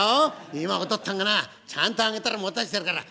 今お父っつぁんがなちゃんと揚げたら持たせてやるから。